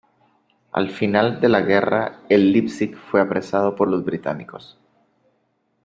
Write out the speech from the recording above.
Al final de la guerra el "Leipzig" fue apresado por los británicos.